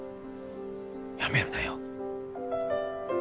やめるなよ。